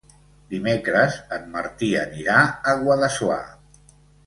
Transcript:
Dimecres en Martí anirà a Guadassuar.